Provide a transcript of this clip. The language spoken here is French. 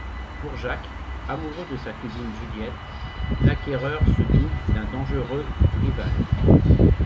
Pour Jacques, amoureux de sa cousine Juliette, l'acquéreur se double d'un dangereux rival.